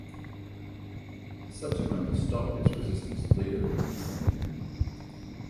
It subsequently stopped its resistance later in the same year.